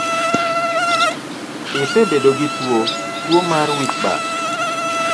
Isebedo gituo tuo mar wich bar?